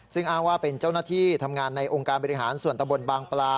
ซึ่งอ้างว่าเป็นเจ้าหน้าที่ทำงานในองค์การบริหารส่วนตะบนบางปลา